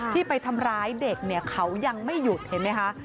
ที่ไปทำร้ายเด็กเนี่ยเขายังไม่หยุดเห็นไหมคะ